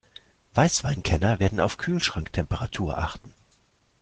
Weißweinkenner werden auf Kühlschranktemperatur achten.